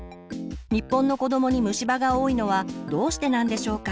日本の子どもに虫歯が多いのはどうしてなんでしょうか？